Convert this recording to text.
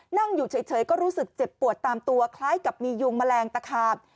นั่งอยู่เฉยก็รู้สึกเจ็บปวดตามตัวคล้ายกับมียุงแมลงตะขาบ